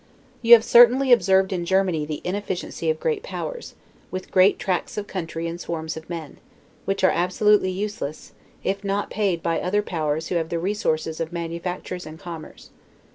You have certainly observed in Germany the inefficiency of great powers, with great tracts of country and swarms of men; which are absolutely useless, if not paid by other powers who have the resources of manufactures and commerce.